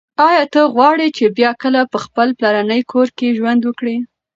ایا ته غواړې چې بیا کله په خپل پلرني کور کې ژوند وکړې؟